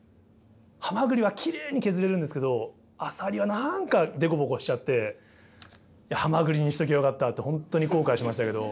ハマグリはきれいに削れるんですけどアサリは何か凸凹しちゃってハマグリにしときゃよかったって本当に後悔しましたけど。